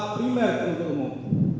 primer penutup umum